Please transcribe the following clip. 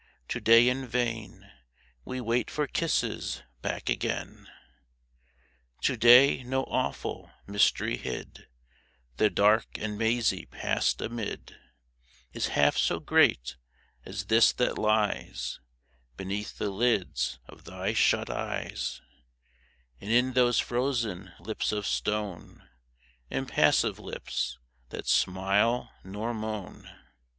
To day in vain We wait for kisses back again. To day no awful mystery hid The dark and mazy past amid Is half so great as this that lies Beneath the lids of thy shut eyes, And in those frozen lips of stone, Impassive lips, that smile nor moan.